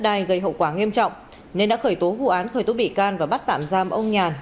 đai gây hậu quả nghiêm trọng nên đã khởi tố vụ án khởi tố bị can và bắt tạm giam ông nhàn